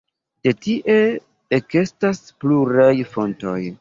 De tie ekestas pluraj fontoj.